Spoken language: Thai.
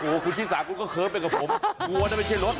กลัวว่าคุณชี่สาวกูก็เค้าไปกับผมหัวน่ะไม่ใช่รถ